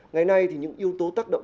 ngày nay thì những yếu tố tác động